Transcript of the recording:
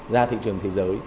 ra thị trường thế giới